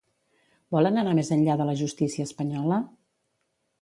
Volen anar més enllà de la justícia espanyola?